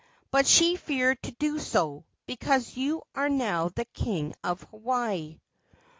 But she feared to do so, because you are now the king of Hawaii."